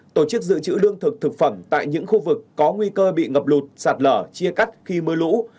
tổ chức dự trữ lương thực thực phẩm tại những khu vực có nguy cơ bị ngập lụt sạt lở chia cắt khi mưa lũ